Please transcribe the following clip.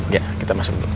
ya kita masuk dulu